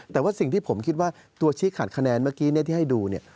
แต่ว่าสิ่งที่ผมคิดว่าตัวชี้ขาดคะแนนเมื่อกี้ที่ให้ดูเนี่ย